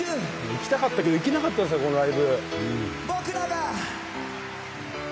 行きたかったんですけれども、行けなかったんですよ、このライブ。